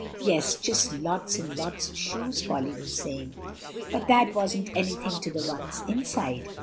"Yes, just lots and lots of shoes," Polly was saying; "but that wasn't anything to the ones inside.